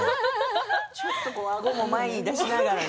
ちょっと、あごを前に出しながらね。